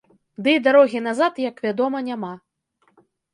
Дый дарогі назад, як вядома, няма.